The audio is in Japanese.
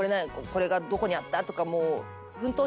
これがどこにあったとかもう奮闘しながら。